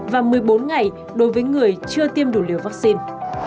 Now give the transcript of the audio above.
và một mươi bốn ngày đối với người chưa tiêm đủ liều vaccine